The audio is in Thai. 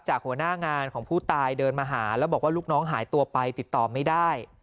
หัวหน้างานของผู้ตายเดินมาหาแล้วบอกว่าลูกน้องหายตัวไปติดต่อไม่ได้